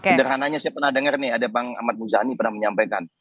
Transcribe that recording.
sederhananya saya pernah dengar nih ada bang ahmad muzani pernah menyampaikan